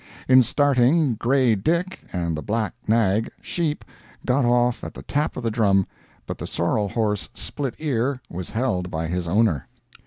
In starting "Grey Dick" and the black nag, "Sheep," got off at the tap of the drum, but the sorrel horse "Split ear," was held by his owner.